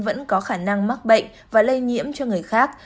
vẫn có khả năng mắc bệnh và lây nhiễm cho người khác